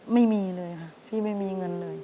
ไม่มีเลยค่ะพี่ไม่มีเงินเลย